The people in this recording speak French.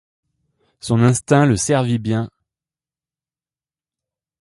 Son instinct le servit bien.